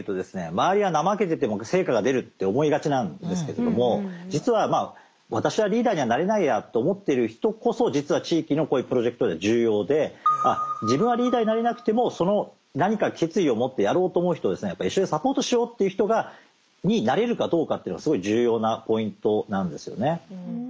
周りは怠けてても成果が出るって思いがちなんですけれども実は私はリーダーにはなれないやと思ってる人こそ実は地域のこういうプロジェクトでは重要で自分はリーダーになれなくてもその何か決意を持ってやろうと思う人をですねやっぱり一緒にサポートしようっていう人になれるかどうかっていうのはすごい重要なポイントなんですよね。